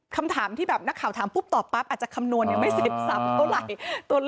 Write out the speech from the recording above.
คำถามที่แบบนักข่าวถามปุ๊บตอบปั๊บอาจจะคำนวณยังไม่เสร็จซ้ำเท่าไหร่